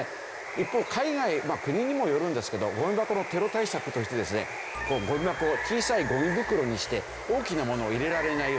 一方海外国にもよるんですけどゴミ箱のテロ対策としてですねゴミ箱を小さいゴミ袋にして大きなものを入れられないように。